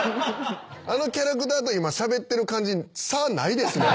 あのキャラクターと今しゃべってる感じ差ないですもんね。